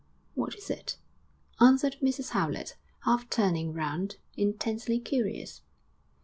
What is it?' answered Mrs Howlett, half turning round, intensely curious.